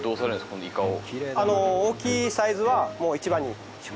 このイカを。